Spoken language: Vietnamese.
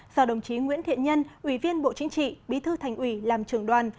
do đồng chí nguyễn thiện nhân ubnd bộ chính trị bí thư thành ủy làm trưởng đoàn